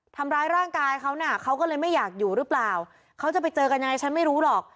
ทำร้ายร่างกายเขาน่ะเขาก็เลยไม่อยากอยู่หรือเปล่าเขาจะไปเจอกันยังไงฉันไม่รู้หรอก